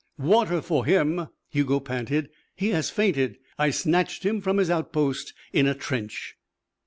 "Water for him," Hugo panted. "He has fainted. I snatched him from his outpost in a trench."